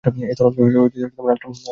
এ তরলকে আল্ট্রাফিলট্রেট বলে।